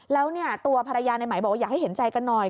แล้วเนี่ยตัวภรรยาในไหมบอกว่าอยากให้เห็นใจกันหน่อย